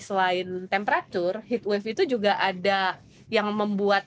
selain temperatur heatwave itu juga ada yang membuat